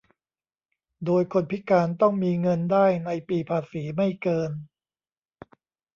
โดยคนพิการต้องมีเงินได้ในปีภาษีไม่เกิน